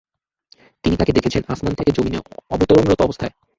তিনি তাকে দেখেছেন আসমান থেকে যমীনে অবতরণরত অবস্থায়।